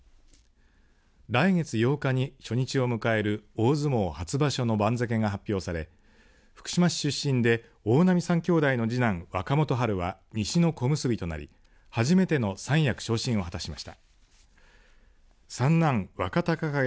来月８日に初日を迎える大相撲初場所の番付が発表され福島市出身で大波３兄弟の次男若元春は西の小結となり初めての三役昇進を果たしました。